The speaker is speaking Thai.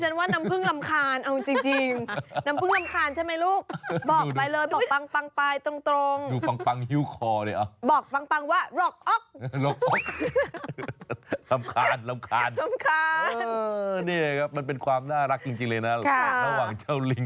ดิฉันว่าน้ำพึ่งรำคาญเอาจริง